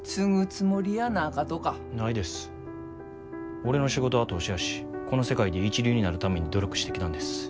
俺の仕事は投資やしこの世界で一流になるために努力してきたんです。